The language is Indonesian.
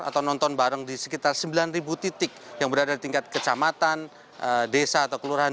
atau nonton bareng di sekitar sembilan titik yang berada di tingkat kecamatan desa atau kelurahan